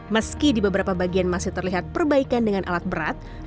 meski di beberapa bagian masih terlihat perbaikan dengan alat berat